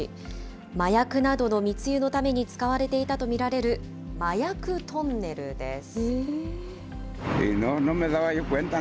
麻薬などの密輸のために使われていたと見られる麻薬トンネルです。